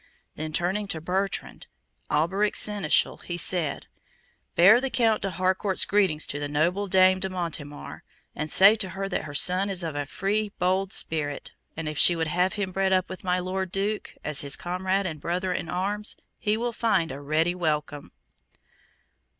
Then turning to Bertrand, Alberic's Seneschal, he said, "Bear the Count de Harcourt's greetings to the noble Dame de Montemar, and say to her that her son is of a free bold spirit, and if she would have him bred up with my Lord Duke, as his comrade and brother in arms, he will find a ready welcome."